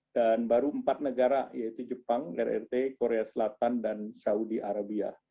dan baru empat negara yaitu jepang rrt korea selatan dan saudi arabia